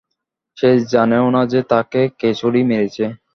সে জানেও না যে তাকে কে ছুরি মেরেছে।